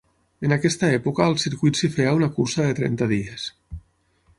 En aquesta època al circuit s'hi feia una cursa de trenta dies.